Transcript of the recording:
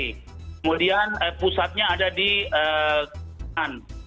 kemudian pusatnya ada di an